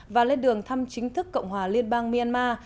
và lên đường thăm chính thức cộng hòa liên bang myanmar